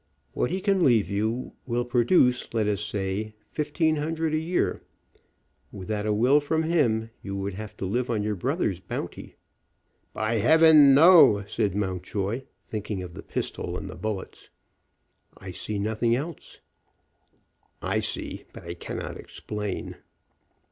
What he can leave you will produce, let us say, fifteen hundred a year. Without a will from him you would have to live on your brother's bounty." "By Heaven, no!" said Mountjoy, thinking of the pistol and the bullets. "I see nothing else." "I see, but I cannot explain."